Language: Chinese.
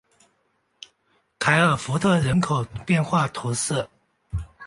凯尔福特人口变化图示